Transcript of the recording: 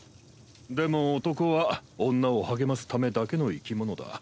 でも男は女を励ますためだけの生き物だ。